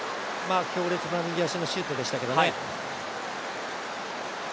強烈な右足のシュートでしたけどね。